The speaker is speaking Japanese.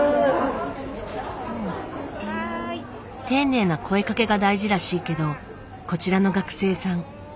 丁寧な声かけが大事らしいけどこちらの学生さん